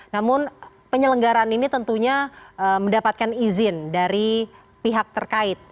namun penyelenggaran ini tentunya mendapatkan izin dari pihak terkait